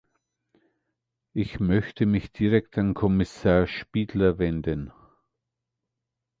Ich möchte mich direkt an Kommissar Špidla wenden.